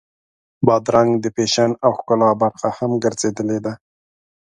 بادرنګ د فیشن او ښکلا برخه هم ګرځېدلې ده.